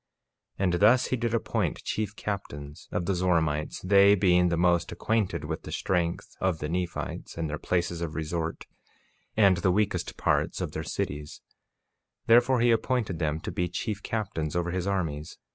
48:5 And thus he did appoint chief captains of the Zoramites, they being the most acquainted with the strength of the Nephites, and their places of resort, and the weakest parts of their cities; therefore he appointed them to be chief captains over his armies.